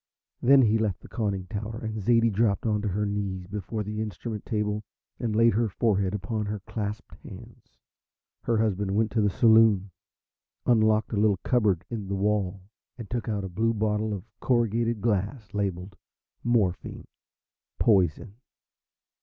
Then he left the conning tower, and Zaidie dropped on to her knees before the instrument table and laid her forehead upon her clasped hands. Her husband went to the saloon, unlocked a little cupboard in the wall and took out a blue bottle of corrugated glass labelled "Morphine, Poison."